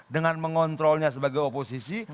dengan mengontrolnya sebagai oposisi